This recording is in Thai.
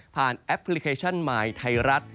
ผ่านแอปพลิเคชันมายไทยรัฐ